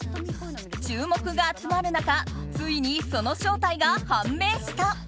注目が集まる中ついにその正体が判明した。